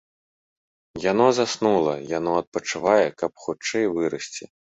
Яно заснула, яно адпачывае, каб хутчэй вырасці.